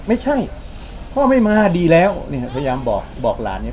ไม่ใช่พ่อไม่มาดีแล้วเนี่ยพยายามบอกบอกหลานเนี่ย